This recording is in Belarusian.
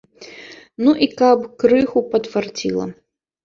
Ну і каб крыху падфарціла.